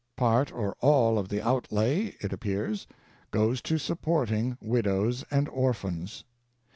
Part or all of the outlay, it appears, goes to "supporting widows and orphans."